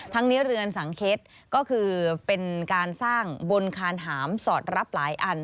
ทั้งนี้เรือนสังเค็ดก็คือเป็นการสร้างบนคานหามสอดรับหลายอัน